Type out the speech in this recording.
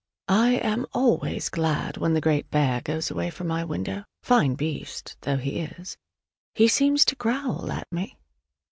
I am always glad when the Great Bear goes away from my window, fine beast though he is: he seems to growl at me!